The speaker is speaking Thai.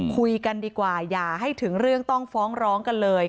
คุยกันดีกว่าอย่าให้ถึงเรื่องต้องฟ้องร้องกันเลย